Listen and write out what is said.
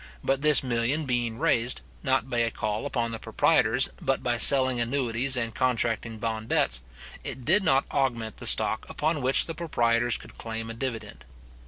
But this million being raised, not by a call upon the proprietors, but by selling annuities and contracting bond debts, it did not augment the stock upon which the proprietors could claim a dividend.